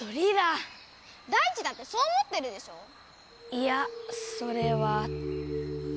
いやそれは。